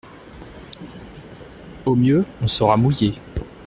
Au mieux on sera mouillés.